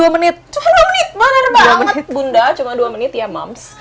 cuma dua menit mana ada banget angkat bunda cuma dua menit ya mams